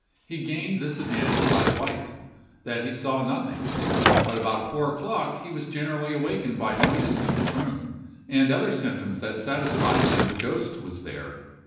He gained this advantage by the light, that he saw nothing; but about four o'clock, he was generally awakened by noises in his room, and other symptoms that satisfied him the ghost was there.